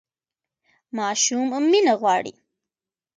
ماشوم مینه غواړي